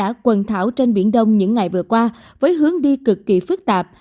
bão số chín đã quần thảo trên biển đông những ngày vừa qua với hướng đi cực kỳ phức tạp